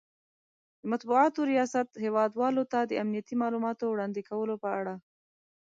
،د مطبوعاتو ریاست هیواد والو ته د امنیتي مالوماتو وړاندې کولو په اړه